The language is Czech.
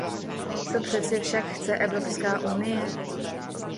Co přesně však chce Evropská unie?